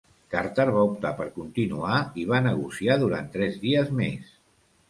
Carter va optar per continuar i va negociar durant tres dies més.